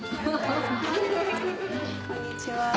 こんにちは。